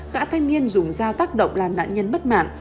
cả thanh niên dùng dao tác động làm nạn nhân bất mạng